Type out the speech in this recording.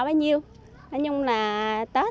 bao nhiêu nói chung là tết